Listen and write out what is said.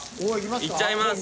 いっちゃいます！